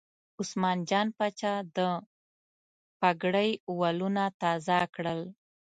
عثمان جان پاچا د پګړۍ ولونه تازه کړل.